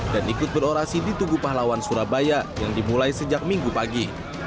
dan ikut berorasi di tugu pahlawan surabaya yang dimulai sejak minggu pagi